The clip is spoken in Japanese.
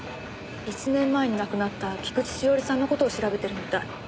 １年前に亡くなった菊地詩織さんの事を調べてるみたい。